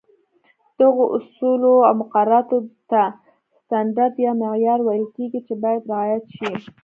دغو اصولو او مقرراتو ته سټنډرډ یا معیار ویل کېږي، چې باید رعایت شي.